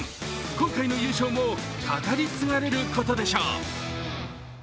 今回の優勝も語り継がれることでしょう。